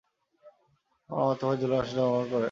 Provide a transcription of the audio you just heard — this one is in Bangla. তার মামাতো ভাই জুলাই মাসে জন্মগ্রহণ করে।